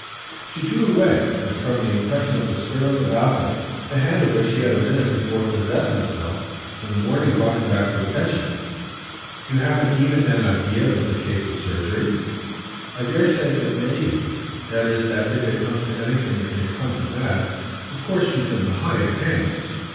She drew away, as from the impression of a stir on the balcony, the hand of which he had a minute before possessed himself; and the warning brought him back to attention. "You haven't even an idea if it's a case for surgery?" "I dare say it may be; that is that if it comes to anything it may come to that. Of course she's in the highest hands."